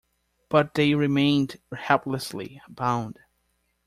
But they remained helplessly bound.